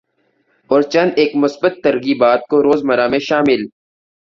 اور چند ایک مثبت ترغیبات کو روزمرہ میں شامل